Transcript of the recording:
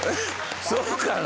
そうかな？